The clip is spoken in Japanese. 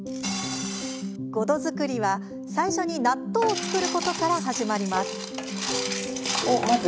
ごど作りは最初に納豆を作ることから始まります。